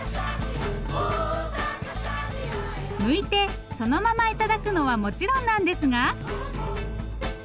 むいてそのまま頂くのはもちろんなんですが。